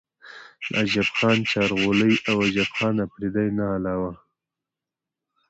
د عجب خان چارغولۍ او عجب خان افريدي نه علاوه